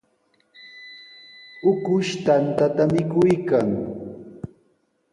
Ukush tantata mikuykan.